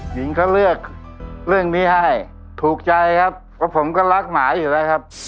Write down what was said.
หญิงเขาเลือกเรื่องนี้ให้ถูกใจครับเพราะผมก็รักหมาอยู่แล้วครับ